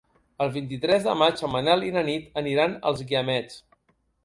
El vint-i-tres de maig en Manel i na Nit aniran als Guiamets.